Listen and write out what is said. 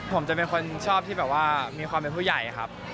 ผมจะเป็นคนชอบที่แบบว่ามีความเป็นผู้ใหญ่ครับ